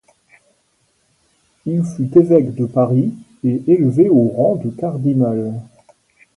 Il fut évêque de Paris et élevé au rang de cardinal.